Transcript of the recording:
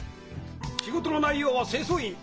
仕事の内容は清掃員。